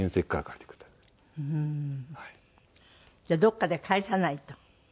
じゃあどこかで返さないと。